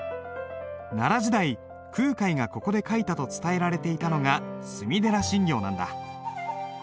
奈良時代空海がここで書いたと伝えられていたのが隅寺心経なんだ。